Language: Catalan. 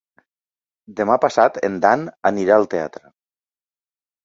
Demà passat en Dan anirà al teatre.